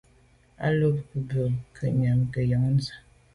A lo be be kwinyàm ke yon nse’e.